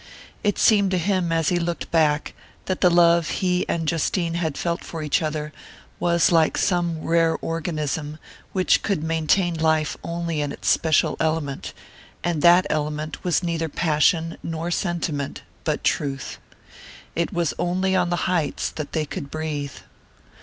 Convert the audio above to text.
It seemed to him, as he looked back, that the love he and Justine had felt for each other was like some rare organism which could maintain life only in its special element; and that element was neither passion nor sentiment, but truth. It was only on the heights that they could breathe.